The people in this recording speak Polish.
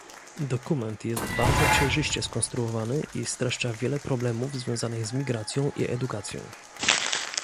Dokument jest bardzo przejrzyście skonstruowany i streszcza wiele problemów związanych z migracją i edukacją